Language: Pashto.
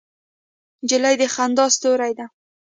نجلۍ د خندا ستورې ده.